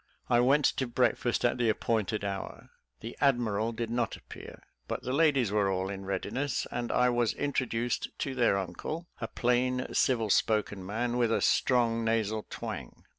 I went to breakfast at the appointed hour. The admiral did not appear, but the ladies were all in readiness, and I was introduced to their uncle a plain, civil spoken man, with a strong nasal twang.